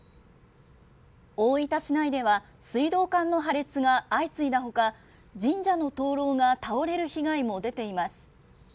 大分市内では水道管の破裂が相次いだほか神社の灯籠が倒れる被害も出ています